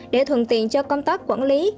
để thuận tiện cho công tác quản lý